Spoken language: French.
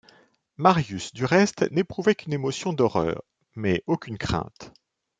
Marius du reste n’éprouvait qu’une émotion d’horreur, mais aucune crainte.